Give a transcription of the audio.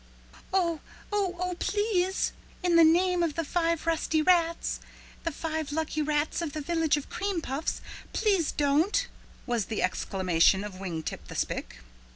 "Oh, oh, oh, please in the name of the five rusty rats, the five lucky rats of the Village of Cream Puffs, please don't," was the exclamation of Wing Tip the Spick.